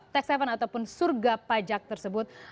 tax haven ataupun surga pajak tersebut